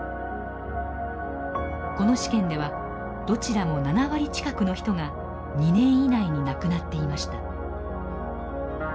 この試験ではどちらも７割近くの人が２年以内に亡くなっていました。